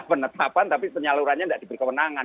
penetapan tapi penyalurannya tidak diberi kewenangan